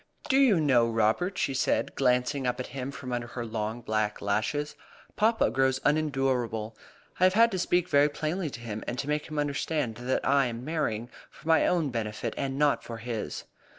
"Do you know, Robert," she said, glancing up at him from under her long black lashes, "Papa grows unendurable. I have had to speak very plainly to him, and to make him understand that I am marrying for my own benefit and not for his."